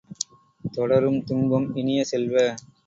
தொடரும் துன்பம் இனிய செல்வ!